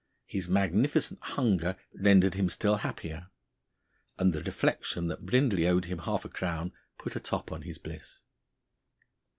His magnificent hunger rendered him still happier. And the reflection that Brindley owed him half a crown put a top on his bliss!